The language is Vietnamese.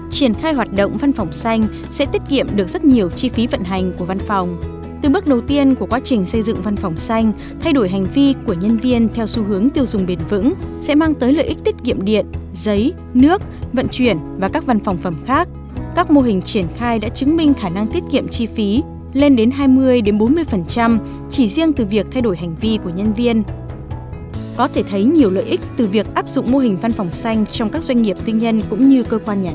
triển khai hoạt động văn phòng xanh sẽ tiết kiệm được rất nhiều chi phí vận hành của văn phòng từ bước đầu tiên của quá trình xây dựng văn phòng xanh thay đổi hành vi của nhân viên theo xu hướng tiêu dùng bền vững sẽ mang tới lợi ích tiết kiệm điện giấy nước vận chuyển và các văn phòng phẩm khác các mô hình triển khai đã chứng minh khả năng tiết kiệm chi phí lên đến hai mươi đến bốn mươi phần trăm chỉ riêng từ việc thay đổi hành vi của nhân viên có thể thấy nhiều lợi ích từ việc áp dụng mô hình văn phòng xanh trong các doanh nghiệp tư nhân cũng nhận được rất nhiều chi phí vận hành của v